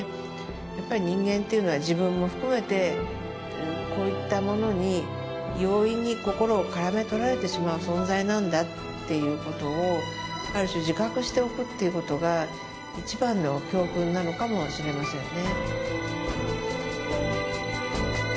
やっぱり人間っていうのは自分も含めてこういったものに容易に心をからめとられてしまう存在なんだっていうことをある種自覚しておくっていうことが一番の教訓なのかもしれませんね。